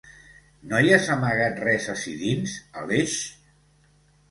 No hi has amagat res ací dins, Aleix?